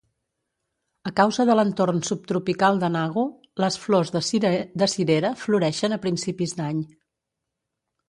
A causa de l'entorn subtropical de Nago, les flors de cirera floreixen a principis d'any.